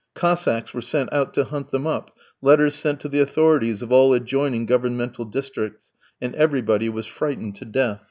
Cossacks were sent out to hunt them up, letters sent to the authorities of all adjoining Governmental districts. And everybody was frightened to death.